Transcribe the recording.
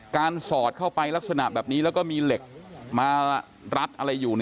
สอดเข้าไปลักษณะแบบนี้แล้วก็มีเหล็กมารัดอะไรอยู่